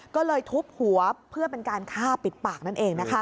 ก็เลยทุบหัวเพื่อเป็นการฆ่าปิดปากนั่นเองนะคะ